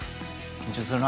緊張するな。